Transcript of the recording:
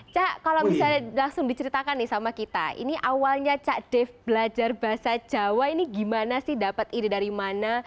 cak kalau bisa langsung diceritakan nih sama kita ini awalnya cak dave belajar bahasa jawa ini gimana sih dapat ide dari mana